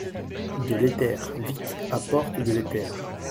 De l’éther !… vite, apporte de l’éther !